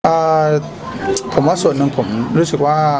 อ่าผมว่าส่วนหนึ่งผมรู้สึกว่า